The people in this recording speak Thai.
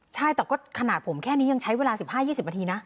ใช่แต่ก็ขนาดผมแค่นี้ยังใช้เวลา๑๕๒๐นาทีนะ